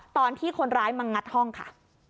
ตอนที่คนร้ายมางัดห้องค่ะ